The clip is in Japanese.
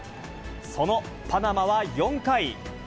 そのパナマは４回。